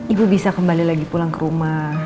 ibu bisa kembali lagi pulang ke rumah